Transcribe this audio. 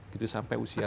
gitu sampai usia